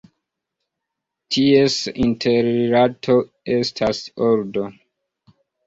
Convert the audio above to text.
Ties interrilato estas ordo.